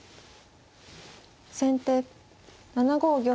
先手７五玉。